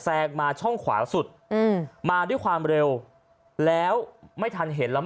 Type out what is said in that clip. แซงมาช่องขวาสุดอืมมาด้วยความเร็วแล้วไม่ทันเห็นแล้ว